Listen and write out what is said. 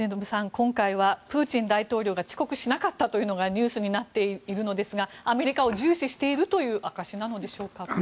今回はプーチン大統領が遅刻しなかったというのがニュースになっているのですがアメリカを重視しているという証しなのでしょうか？